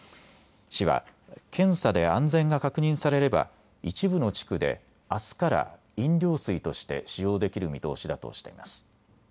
市は検査で安全が確認されれば一部の地区であすから飲料水として使用できる見通しだとしています。